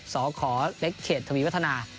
สขเล็กเขตทวีวัฒนา